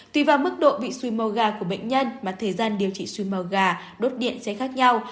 tùy vào mức độ vị suối màu gà của bệnh nhân mà thời gian điều trị suối màu gà đốt điện sẽ khác nhau